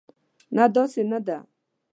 نه، داسې نه ده.